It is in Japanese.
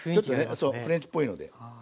ちょっとフレンチっぽいので。